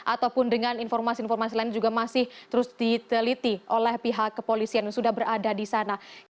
ataupun dengan informasi informasi lain juga masih terus diteliti oleh pihak kepolisian yang sudah berada di sana